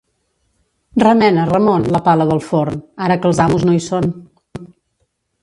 Remena, Ramon, la pala del forn, ara que els amos no hi són.